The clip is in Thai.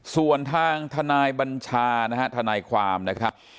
ส่วนทางทนายบัญชานะฮะทนายความนะครับ